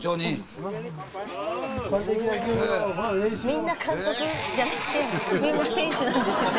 スタジオみんな監督じゃなくてみんな選手なんですよね？